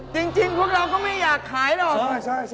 จริงพวกเราไม่วางหายหรอก